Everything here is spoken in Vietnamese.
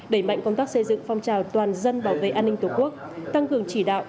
đẩy mạnh công tác xây dựng phong trào toàn dân bảo vệ an ninh tổ quốc tăng cường chỉ đạo